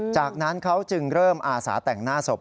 จากนั้นเขาจึงเริ่มอาสาแต่งหน้าศพ